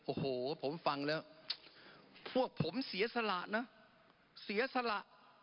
โอ้โหผมฟังแล้วพวกผมเสียสละนะเสียสละ